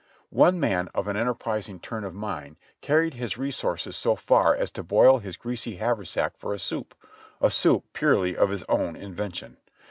One man of an enterprising turn of mind carried his resources so far as to boil his greasy haversack for a soup, a soup purely of his own invention.